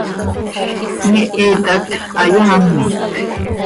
¡Cömiihit hac hayaamot!